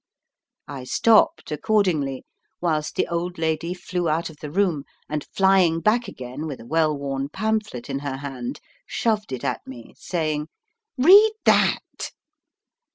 I stopped accordingly whilst the old lady flew out of the room, and flying back again with a well worn pamphlet in her hand, shoved it at me, saying, "Read that."